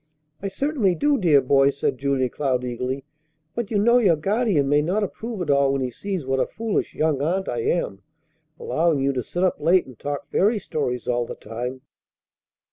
"I certainly do, dear boy," said Julia Cloud eagerly; "but you know your guardian may not approve at all when he sees what a foolish 'young' aunt I am, allowing you to sit up late and talk fairy stories all the time."